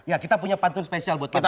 ya kita punya pantun spesial buat pak ganjar